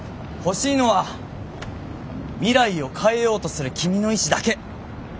欲しいのは未来を変えようとする君の意志だけ。